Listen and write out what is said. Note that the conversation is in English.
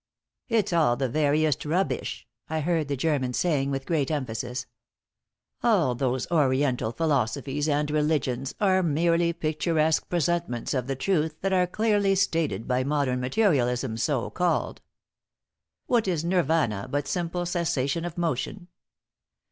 "It's all the veriest rubbish," I heard the German saying, with great emphasis. "All those Oriental philosophies and religions are merely picturesque presentments of the truths that are clearly stated by modern materialism, so called. What is Nirvana but simply cessation of motion?